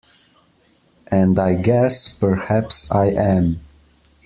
And I guess perhaps I am.